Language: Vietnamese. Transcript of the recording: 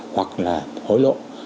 hoặc là hối lộ